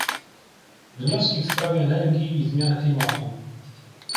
Wnioski w sprawie energii i zmian klimatu